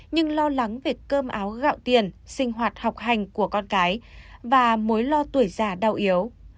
nhưng lo lắng về cơm áo gạo tiền sinh hoạt học hành của con cái và mối lo tuổi già đau yếu